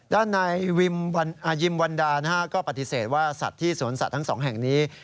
ด้านในยิมวันดาก็ปฏิเสธว่าสัตว์ที่สวนสัตว์ทั้งสองแห่งนี้